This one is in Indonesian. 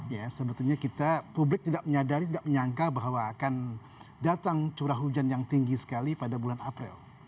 ya sebetulnya kita publik tidak menyadari tidak menyangka bahwa akan datang curah hujan yang tinggi sekali pada bulan april